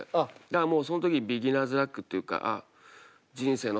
だからもうその時にビギナーズラックっていうかいや。